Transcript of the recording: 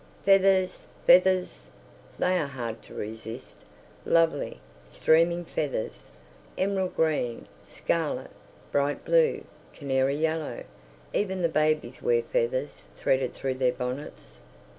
"Fevvers! Fevvers!" They are hard to resist. Lovely, streaming feathers, emerald green, scarlet, bright blue, canary yellow. Even the babies wear feathers threaded through their bonnets.